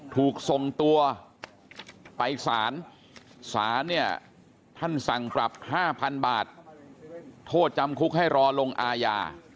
ถูกส่งตัวไปศาลศาลเนี่ยท่านสั่งปรับ๕๐๐๐บาทโทษจำคุกให้รอลงอาญา